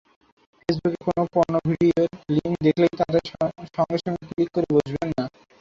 ফেসবুকে কোনো পর্নো ভিডিওর লিংক দেখলেই তাতে সঙ্গে সঙ্গে ক্লিক করে বসবেন না।